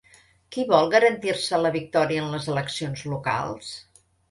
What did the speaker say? Qui vol garantir-se la victòria en les eleccions locals?